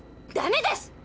ダメです！